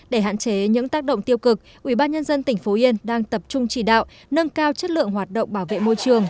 để hạn chế những tác động tiêu cực ủy ban nhân dân tỉnh phú yên đang tập trung chỉ đạo nâng cao chất lượng hoạt động bảo vệ môi trường